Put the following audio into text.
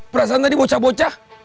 perasaan tadi bocah bocah